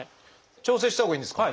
調整したほうがいいんですか？